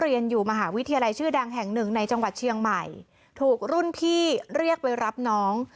เรียนอยู่มหาวิทยาลัยชื่อดังแห่งหนึ่งในจังหวัดเชียงใหม่ถูกรุ่นพี่เรียกไปรับน้อง